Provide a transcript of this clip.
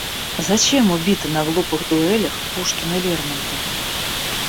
Зачем убиты на глупых дуэлях Пушкин и Лермонтов?